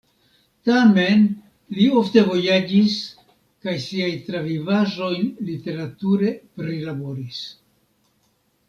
Tamen li ofte vojaĝis kaj siajn travivaĵojn literature prilaboris.